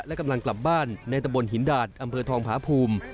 และกำลังกลับบ้านในตะบนหินดาดอำเภอทองผาภูมิ